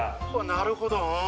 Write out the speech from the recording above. なるほど。